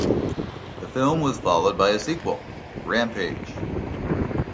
The film was followed by a sequel, "Rampage".